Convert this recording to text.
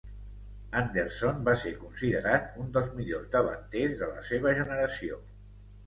Andersson va ser considerat un dels millors davanters de la seva generació.